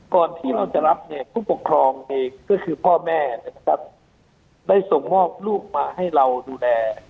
ก่อนที่เราจะรับเนี่ยผู้ปกครองก็คือพ่อแม่ได้ส่งมอบลูกมาให้เราดูแล